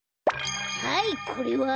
はいこれは？